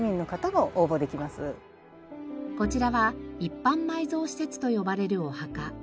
こちらは一般埋蔵施設と呼ばれるお墓。